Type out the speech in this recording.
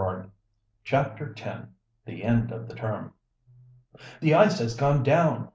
CHAPTER X. THE END OF THE TERM. "The ice has gone down!"